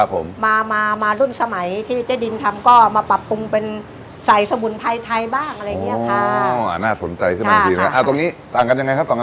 เรารุ่นสมัยที่เจ๊ดินทำก็มาปรับปรุงเป็นใสสมุนไพทัยบ้าง